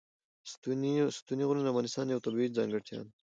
ستوني غرونه د افغانستان یوه طبیعي ځانګړتیا ده.